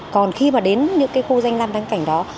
còn khi mà đến những cái khu danh nam đáng cảnh đó